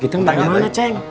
kita mau kemana ceng